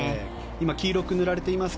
今、黄色く塗られています